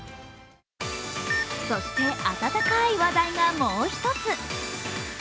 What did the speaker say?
そして温かい話題がもう一つ。